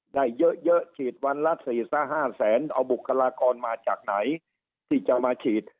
ได้เยอะฉีดวันละ๔๕แสนเอาบุคลากรมาจากไหนที่จะมาฉีด